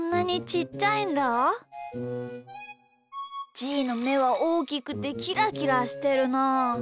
じーのめはおおきくてキラキラしてるなあ。